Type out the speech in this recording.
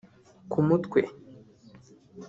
ku mutwe